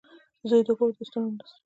• زوی د کور د ستنو نه دی.